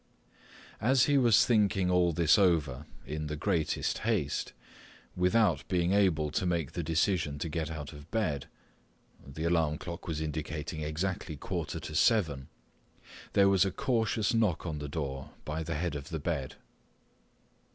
As he was thinking all this over in the greatest haste, without being able to make the decision to get out of bed—the alarm clock was indicating exactly quarter to seven—there was a cautious knock on the door by the head of the bed.